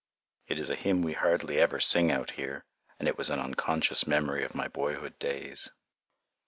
It is a hymn we hardly ever sing out here, and it was an unconscious memory of my boyhood days.